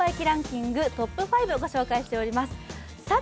ランキングトップ５をご紹介しております。